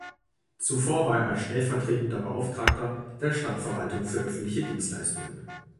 Zuvor war er stellvertretender Beauftragter der Stadtverwaltung für öffentliche Dienstleistungen.